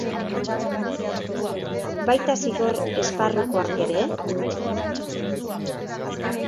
Baita zigor esparrukoak ere?